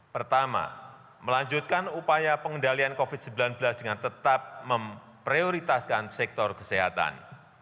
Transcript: pertama melanjutkan upaya pengendalian covid sembilan belas dengan tetap memprioritaskan sektor kesehatan